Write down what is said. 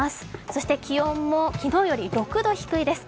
そして気温も昨日より６度低いです